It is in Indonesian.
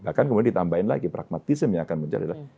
bahkan kemudian ditambahin lagi pragmatisme yang akan muncul